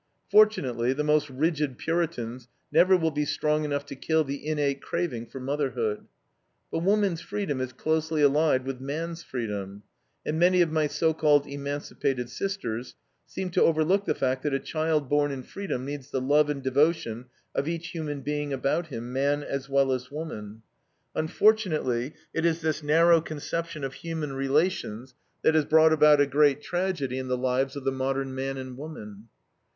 Fortunately, the most rigid Puritans never will be strong enough to kill the innate craving for motherhood. But woman's freedom is closely allied with man's freedom, and many of my so called emancipated sisters seem to overlook the fact that a child born in freedom needs the love and devotion of each human being about him, man as well as woman. Unfortunately, it is this narrow conception of human relations that has brought about a great tragedy in the lives of the modern man and woman.